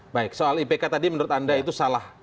baik soal ipk tadi menurut anda itu salah